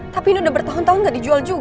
tapi ini udah bertahun tahun gak dijual juga